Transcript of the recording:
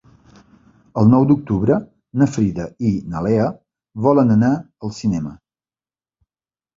El nou d'octubre na Frida i na Lea volen anar al cinema.